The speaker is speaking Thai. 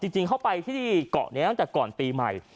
จริงเข้าไปที่เกาะนี้ตั้งแต่ก่อนปีใหม่